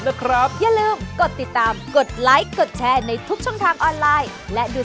ฮื้อฮื้อฮื้ออย่านะฮื้อฮื้อ